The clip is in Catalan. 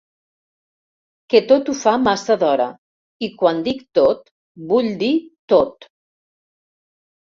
Que tot ho fa massa d'hora, i quan dic tot vull dir tot.